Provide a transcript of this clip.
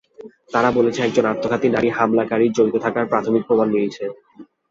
তারা বলেছে, একজন আত্মঘাতী নারী হামলাকারীর জড়িত থাকার প্রাথমিক প্রমাণ মিলেছে।